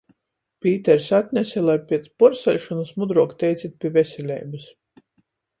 Pīters atnese, lai piec puorsaļšonys mudruok teicit pi veseleibys.